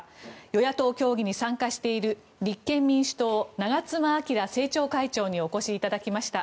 与野党協議に参加している立憲民主党、長妻昭政調会長にお越しいただきました。